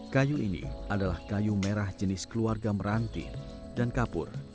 kayu ini adalah kayu merah jenis keluarga meranti dan kapur